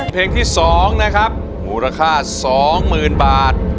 เพลงที่๒นะครับมูลค่า๒๐๐๐บาท